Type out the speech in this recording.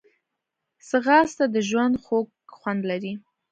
ځغاسته د ژوند خوږ خوند لري